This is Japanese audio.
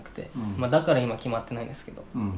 まあだから今決まってないんですけど。